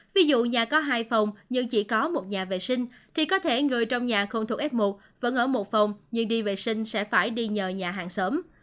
ví dụ nhà có hai phòng nhưng chỉ có một nhà vệ sinh thì có thể người trong nhà không thuộc f một vẫn ở một phòng nhưng đi vệ sinh sẽ phải đi nhờ nhà hàng xóm